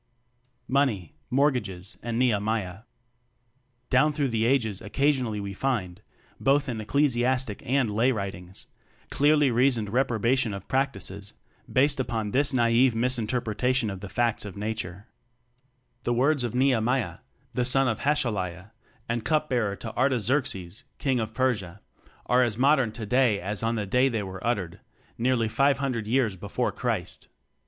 Money, Mortgages and Nehemiah. Down through the ages occasion ally we find (both in ecclesiastic and lay writings) clearly reasoned repro bation of practices based upon this naive misinterpretation of the facts of Nature. 26 TECHNOCRACY "The words of Nehemiah, the son of Hacaliah" and cup bearer of Ar taxerxes, king of Persia, are as "mod ern" today as on the day they were uttered nearly five hundred years before Christ.